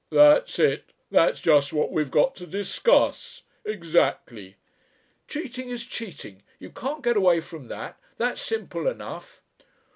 "That's it. That's just what we've got to discuss. Exactly!" "Cheating is cheating. You can't get away from that. That's simple enough."